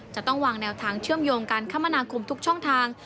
จะต้องวางแนวทางเชื่อมโยงการคมนาคมทุกช่องทาง